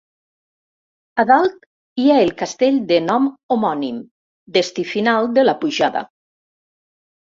A dalt, hi ha el castell de nom homònim, destí final de la pujada.